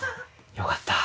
よかった。